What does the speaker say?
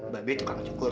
babi tukang cukur